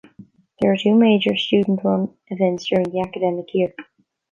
There are two major student-run events during the academic year.